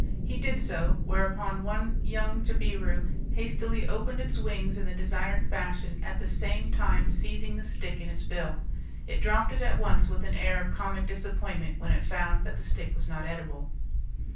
He did so, whereupon one young jabiru hastily opened its wings in the desired fashion, at the same time seizing the stick in its bill! It dropped it at once, with an air of comic disappointment, when it found that the stick was not edible.